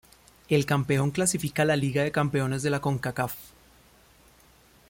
El campeón clasifica a la Liga de Campeones de la Concacaf.